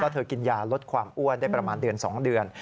เธอกินยาลดความอ้วนได้ประมาณเดือน๒เดือน